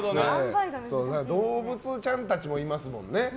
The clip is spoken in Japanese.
動物ちゃんたちもいますもんね。